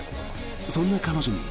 そんな彼女に。